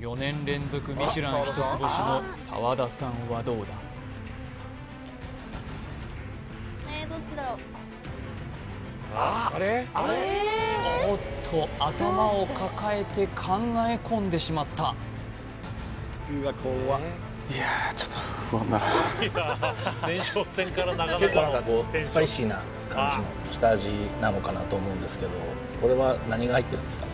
４年連続ミシュラン一つ星の澤田さんはどうだおっと頭を抱えて考え込んでしまった結構何かこうスパイシーな感じの下味なのかなと思うんですけどこれは何が入ってるんですか？